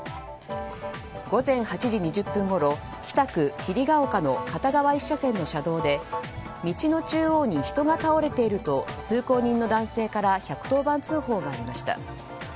午前８時２０分ごろ北区桐ヶ丘の片側１車線の歩道で道の中央に人が倒れていると通行人の男性から１１０番通報がありました。